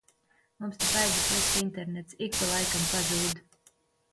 Mums te baigi slikts internets, ik pa laikam pazūd.